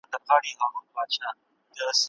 زه به په راتلونکي کي هم خپل مسؤليت پېژنم.